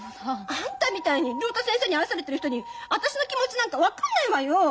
あんたみたいに竜太先生に愛されてる人に私の気持ちなんか分かんないわよ！